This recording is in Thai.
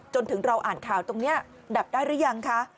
จนถึงเราอ่านข่าวตรงนี้ดับได้หรือยังคะ